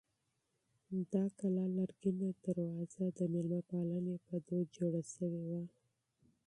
د کلا لرګینه دروازه د مېلمه پالنې په دود جوړه شوې وه.